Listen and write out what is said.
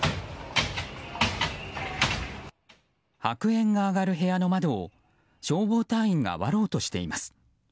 白煙が上がる部屋の窓を消防隊員が割ろうとしています。